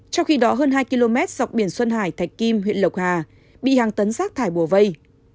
trong khi đó hơn hai km dọc biển xuân hải thạch kim huyện lộc hà bị hàng tấn rác thải bùa vây